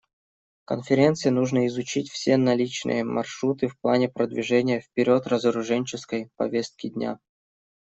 Конференции нужно изучить все наличные маршруты в плане продвижения вперед разоруженческой повестки дня.